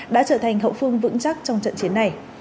đã trở thành hậu phương vững chắc trong trận chiến này